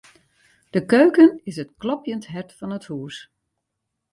De keuken is it klopjend hert fan it hús.